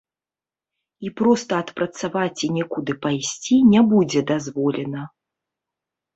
І проста адпрацаваць і некуды пайсці не будзе дазволена.